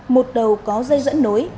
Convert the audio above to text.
một đầu có dây dẫn nối